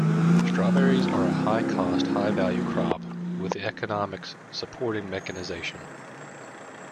Strawberries are a high cost-high value crop with the economics supporting mechanisation.